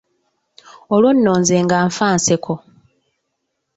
Olwo nno nze nga nfa nseko.